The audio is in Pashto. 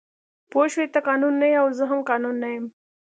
پوه شوې ته قانون نه یې او زه هم قانون نه یم